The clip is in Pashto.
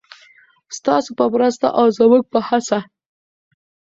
ستاسو په مرسته او زموږ په هڅه.